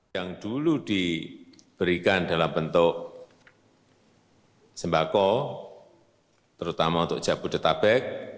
yang dulu diberikan dalam bentuk sembako terutama untuk jabodetabek